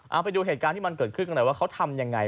เอาไปดูเหตุการณ์ที่มันเกิดขึ้นกันหน่อยว่าเขาทำยังไง